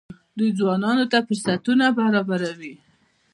دوی ځوانانو ته فرصتونه برابروي.